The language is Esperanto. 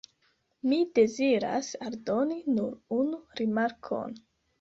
Mi deziras aldoni nur unu rimarkon.